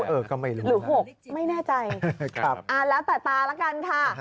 เออก็ไม่รู้หรือ๖ไม่แน่ใจครับครับแล้วตาละกันค่ะ